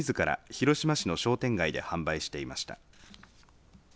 広島市の商店街で販売していました。